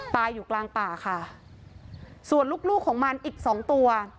ตายอยู่กลางป่าค่ะส่วนลูกลูกของมันอีกสองตัว